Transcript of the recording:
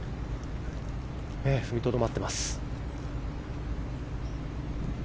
踏みとどまっています。